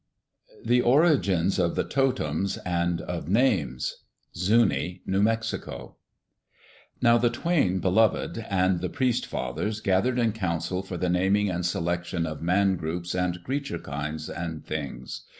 The Origins of the Totems and of Names Zuni (New Mexico) Now the Twain Beloved and the priest fathers gathered in council for the naming and selection of man groups and creature kinds, and things.